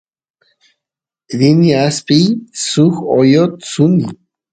rini aspiy suk oyot suni